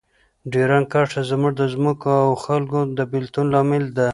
ډیورنډ کرښه زموږ د ځمکو او خلکو د بیلتون لامل ده.